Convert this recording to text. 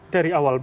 dari awal begitu ya